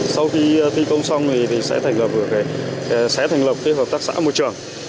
sau khi thi công xong thì sẽ thành lập hợp tác xã môi trường